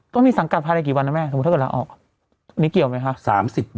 ต้องมีสังการภายในกี่วันนะแม่ถ้าเกิดละออกวันนี้เกี่ยวไหมค่ะ